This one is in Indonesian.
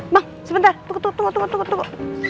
bang sebentar tunggu tunggu tunggu